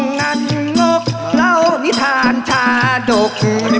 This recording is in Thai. งั่นลบเรานิทานชาดก